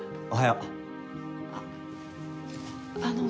おはよう。